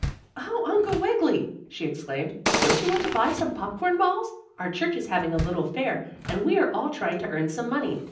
"Oh, Uncle Wiggily!" she exclaimed. "Don't you want to buy some popcorn balls? Our church is having a little fair, and we are all trying to earn some money.